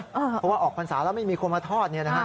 เพราะว่าออกพรรษาแล้วไม่มีคนมาทอด